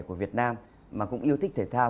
của việt nam mà cũng yêu thích thể thao